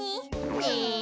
ねえ！